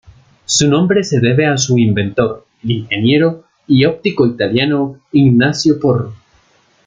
Su nombre se debe a su inventor, el ingeniero y óptico italiano Ignazio Porro.